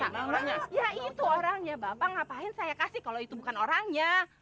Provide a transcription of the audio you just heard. ya itu orangnya bapak ngapain saya kasih kalau itu bukan orangnya